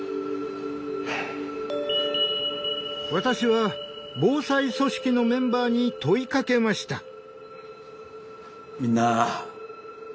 私は防災組織のメンバーに問いかけました。